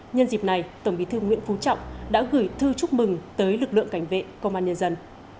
nhân dịp này tổng bí thư nguyễn phú trọng đã gửi thư chúc mừng tới lực lượng cảnh vệ công an nhân dân